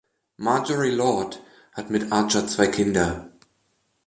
Marjorie Lord hat mit Archer zwei Kinder.